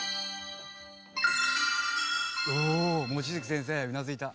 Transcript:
おお望月先生うなずいた。